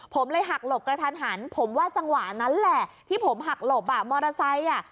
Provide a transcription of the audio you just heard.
ผมเลยหักหลบกระทันหันผมว่าจังหวะนั้นแหละที่ผมหักหลบอ่ะมอเตอร์ไซค์อ่ะ